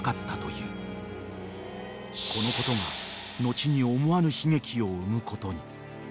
［このことが後に思わぬ悲劇を生むことに］